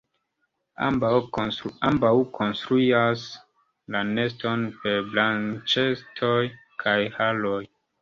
Ambaŭ konstruas la neston per branĉetoj kaj haroj.